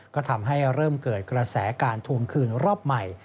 ก็ทำให้เริ่มเกิดกระแสการทวงคืนรอบใหม่